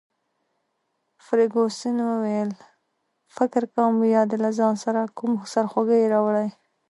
فرګوسن وویل: فکر کوم بیا دي له ځان سره کوم سرخوږی راوړی.